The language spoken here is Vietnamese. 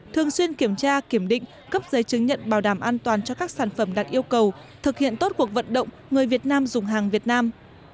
thường xuyên kiểm tra kiểm định cấp giấy chứng nhận bảo đảm an toàn cho các sản phẩm đạt yêu cầu thực hiện tốt cuộc vận động người việt nam dùng hàng việt nam